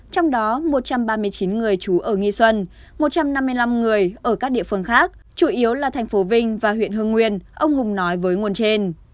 trong đó một trăm ba mươi chín người trú ở nghi xuân một trăm năm mươi năm người ở các địa phương khác chủ yếu là thành phố vinh và huyện hương nguyên ông hùng nói với nguồn trên